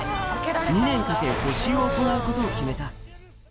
２年かけ、補修を行うことを決めた。